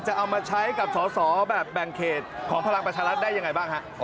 จะเอามาใช้กับสอแบบแบ่งเขตของพลังประชาลัทธ์ได้อย่างไรบ้างครับ